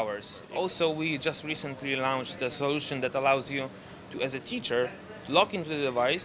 pertama kita baru saja meluncurkan solusi yang memungkinkan para guru untuk meluncurkan kursus